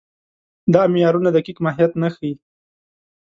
دا معیارونه دقیق ماهیت نه ښيي.